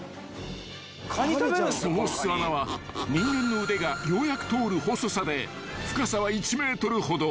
［その巣穴は人間の腕がようやく通る細さで深さは１ｍほど］